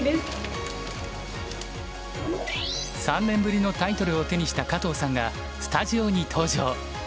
３年ぶりのタイトルを手にした加藤さんがスタジオに登場。